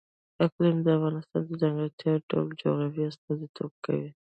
اقلیم د افغانستان د ځانګړي ډول جغرافیه استازیتوب کوي.